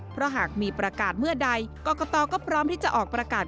เพราะหากมีประกาศเมื่อใดกรกตก็พร้อมที่จะออกประกาศ